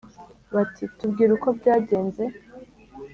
Bati : tubwire uko byagenze?